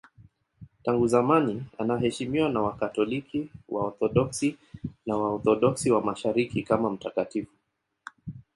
Tangu zamani anaheshimiwa na Wakatoliki, Waorthodoksi na Waorthodoksi wa Mashariki kama mtakatifu.